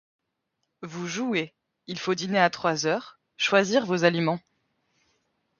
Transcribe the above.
Vous jouez, il faut dîner à trois heures, choisir vos aliments !